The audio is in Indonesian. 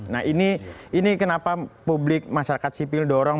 nah ini kenapa publik masyarakat sipil dorong